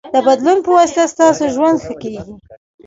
د بدلون پواسطه ستاسو ژوند ښه کېږي.